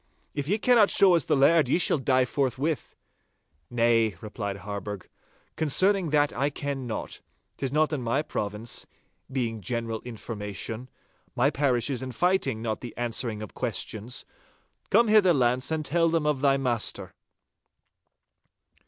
'If ye cannot show us the laird, ye shall die forthwith!' 'Nay,' replied Harburgh, 'concerning that I ken not. 'Tis not in my province, being general information. My parish is fighting, not the answering of questions. Come hither, Launce, and tell them of thy master!